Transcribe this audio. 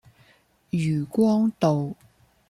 漁光道